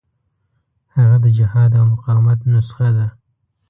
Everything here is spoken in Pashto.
هغه د جهاد او مقاومت نسخه ده.